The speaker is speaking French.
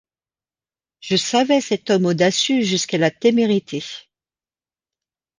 Je savais cet homme audacieux jusqu’à la témérité !